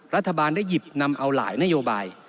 รัฐบาลได้หยิบนำเอาหลายนโยบาย